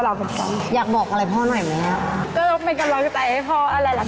แล้วก็แค่มาเพิ่มเติมแล้วก็เติม